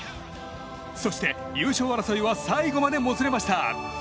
そして、優勝争いは最後までもつれました。